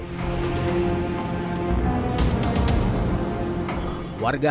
ketika di jawa tenggara barat